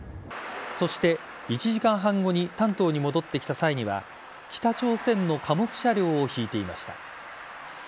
そして１時間半後に丹東に戻ってきた際には北朝鮮の貨物車両を引いていました。